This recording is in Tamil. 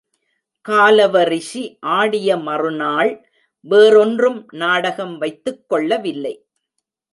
காலவ ரிஷி ஆடிய மறுநாள் வேறொன்றும் நாடகம் வைத்துக்கொள்ளவில்லை.